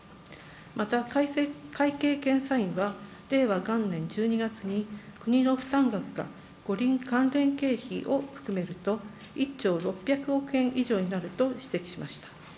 また、会計検査院は、令和元年１２月に、国の負担額が五輪関連経費を含めると１兆６００億円以上になると指摘しました。